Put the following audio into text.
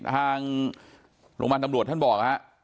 หลวงบ้านตำรวจท่านบอกครับ